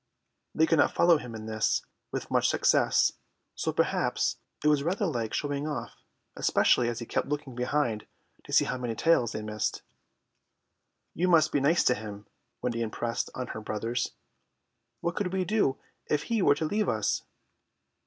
They could not follow him in this with much success, so perhaps it was rather like showing off, especially as he kept looking behind to see how many tails they missed. "You must be nice to him," Wendy impressed on her brothers. "What could we do if he were to leave us!"